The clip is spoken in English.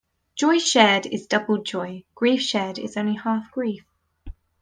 Joy shared is double joy; grief shared is only half grief.